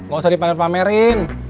gak usah dipamerin